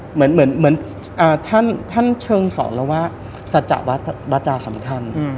เหมือนท่านเชิงสอนเราว่าสัจจะวาจาสำคัญ